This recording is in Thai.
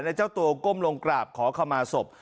แล้วเจ้าตัวก้มลงกราบขอขมาศพ